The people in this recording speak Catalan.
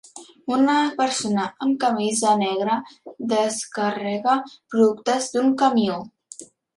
Una persona amb camisa negra descarrega productes d'un camió